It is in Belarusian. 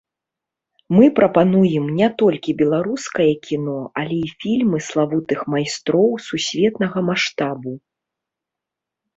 Мы прапануем не толькі беларускае кіно, але і фільмы славутых майстроў сусветнага маштабу.